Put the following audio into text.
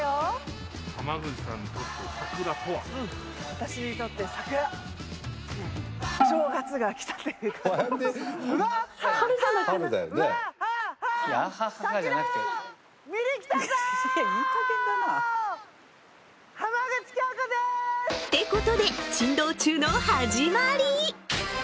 私にとって桜ってことで珍道中の始まり